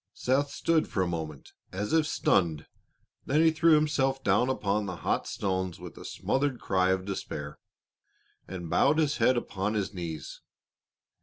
Seth stood for a moment as if stunned, then he threw himself down upon the hot stones with a smothered cry of despair, and bowed his head upon his knees.